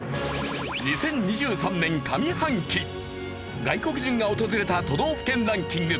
２０２３年上半期外国人が訪れた都道府県ランキング。